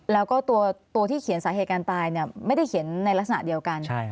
แล้วก็ตัวที่เขียนสาเหตุการณ์ตายไม่ได้เขียนในลักษณะเดียวกัน